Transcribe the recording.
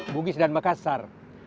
bugis dan makassar